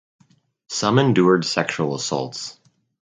Some endured sexual assaults.